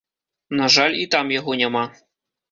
На жаль, і там яго няма.